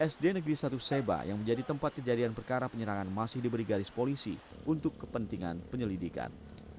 sd negeri satu seba yang menjadi tempat kejadian perkara penyerangan masih diberi garis polisi untuk kepentingan penyelidikan